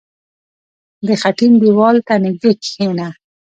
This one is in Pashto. • د خټین دیوال ته نژدې کښېنه.